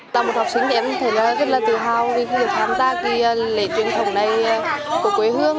tại một học sinh em thấy rất là tự hào vì có thể tham gia cái lễ truyền thống này của quê hương